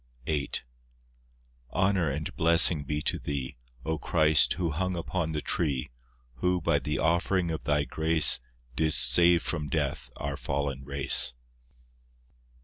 VIII Honour and blessing be to Thee, O Christ, who hung upon the tree, Who, by the offering of Thy grace, Didst save from death our fallen race.